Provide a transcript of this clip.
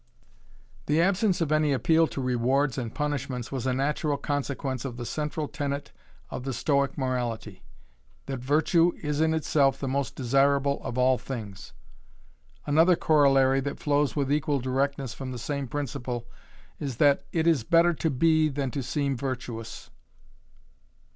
The absence of any appeal to rewards and punishments was a natural consequence of the central tenet of the Stoic morality: that virtue is in itself the most desirable of all things. Another corollary that flows with equal directness from the same principle is that is better to be than to seem virtuous.